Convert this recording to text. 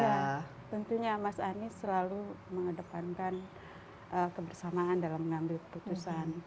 ya tentunya mas anies selalu mengedepankan kebersamaan dalam mengambil keputusan